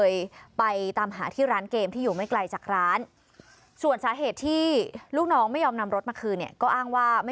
อย่างไรก็ตาม